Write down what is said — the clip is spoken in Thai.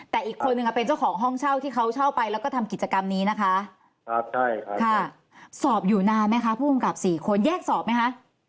แต่อีกคนนึงเป็นเจ้าของห้องเช่าที่เขาเช่าไปแล้วก็ทำกิจกรรมนี้นะคะครับใช่ค่ะสอบอยู่นานไหมคะผู้กำกับสี่คนแยกสอบไหมคะ